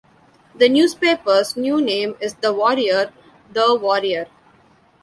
The newspaper's new name is "thewarrior", the "Warrior".